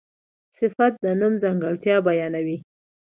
صفت د نوم ځانګړتیا بیانوي.